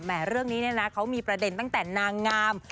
เรื่องนี้เนี่ยนะเขามีประเด็นตั้งแต่นางงาม